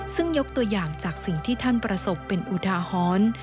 ซึ่งยกตัวอย่างจากสิ่งที่ท่านประสบเป็นอุทาหรณ์